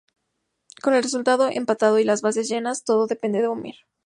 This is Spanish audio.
Con el resultado empatado y las bases llenas, todo depende de Homer.